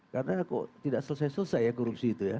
karena kok tidak selesai selesai ya korupsi itu ya